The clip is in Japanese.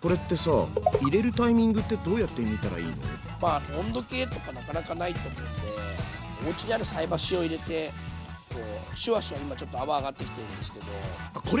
これってさ温度計とかなかなかないと思うんでおうちにある菜箸を入れてこうシュワシュワ今ちょっと泡上がってきてるんですけどこれ？